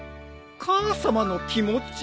母さまの気持ち？